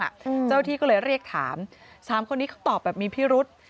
เจ้าหน้าที่ก็เลยเรียกถามสามคนนี้เขาตอบแบบมีพิรุษ